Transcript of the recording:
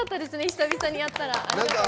久々にやったら。